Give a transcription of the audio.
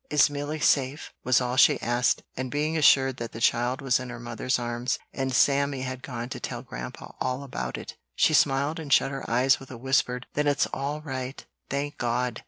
"Is Milly safe?" was all she asked, and being assured that the child was in her mother's arms, and Sammy had gone to tell Grandpa all about it, she smiled and shut her eyes with a whispered, "Then it's all right, thank God!"